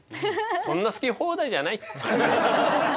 そんな好き放題じゃない。